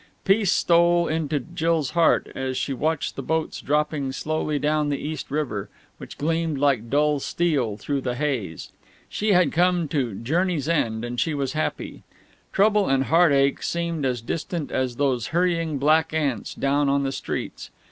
Peace stole into Jill's heart as she watched the boats dropping slowly down the East River, which gleamed like dull steel through the haze. She had come to Journey's End, and she was happy. Trouble and heartache seemed as distant as those hurrying black ants down on the streets.